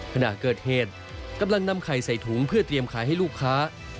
ขณะเกิดเหตุกำลังนำไข่ใส่ถุงเพื่อเตรียมขายให้ลูกค้า